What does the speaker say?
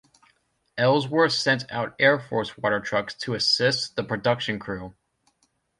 Ellsworth sent out Air Force water trucks to assist the production crew.